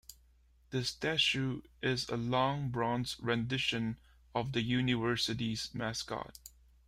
The statue is a long, bronze rendition of the University's mascot.